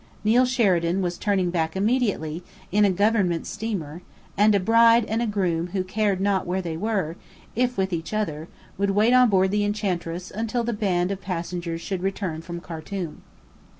Neill Sheridan was turning back immediately, in a government steamer; and a bride and groom who cared not where they were, if with each other, would wait on board the Enchantress until the band of passengers should return from Khartum.